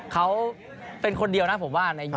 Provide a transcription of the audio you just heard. เขาเป็นคนเดียวนะผมว่าในยุ